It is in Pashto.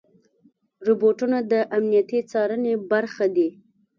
روبوټونه د امنیتي څارنې برخه دي.